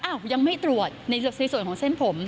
อ้าวยังไม่ตรวจในสิ่งส่วนของเส้นผม